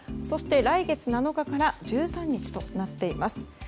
そして来月７日から１３日となっています。